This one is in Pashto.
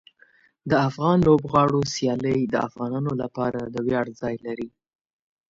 د افغان لوبغاړو سیالۍ د افغانانو لپاره د ویاړ ځای لري.